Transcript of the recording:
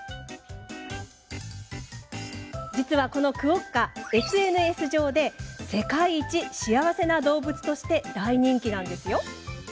実は、このクオッカＳＮＳ上で「世界一幸せな動物」として大人気なんです。